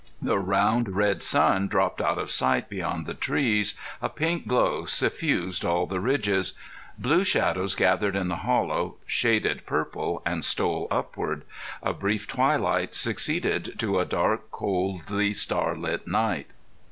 The round red sun dropped out of sight beyond the trees, a pink glow suffused all the ridges; blue shadows gathered in the hollow, shaded purple and stole upward. A brief twilight succeeded to a dark, coldly starlit night.